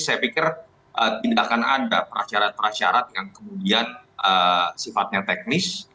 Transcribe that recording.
saya pikir tidak akan ada prasyarat prasyarat yang kemudian sifatnya teknis